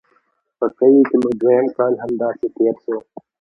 په کلي کښې مې دويم کال هم همداسې تېر سو.